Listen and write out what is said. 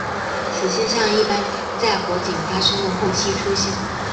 此现象一般在火警发生的后期出现。